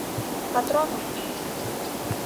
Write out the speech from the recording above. Патроным!